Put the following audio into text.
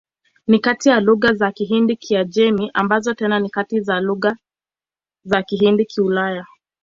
Ni kati ya lugha za Kihindi-Kiajemi, ambazo tena ni kati ya lugha za Kihindi-Kiulaya.